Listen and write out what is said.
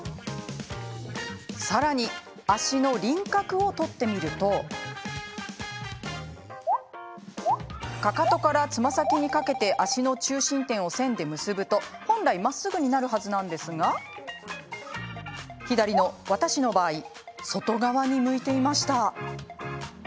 さらに足の輪郭を取ってみるとかかとから、つま先にかけて足の中心点を線で結ぶと本来まっすぐになるはずなんですが私の場合、外側に向いていました。